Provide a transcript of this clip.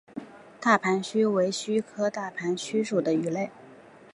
大盘䲟为䲟科大盘䲟属的鱼类。